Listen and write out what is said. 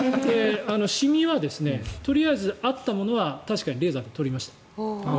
シミはとりあえずあったものは確かにレーザーで取りました。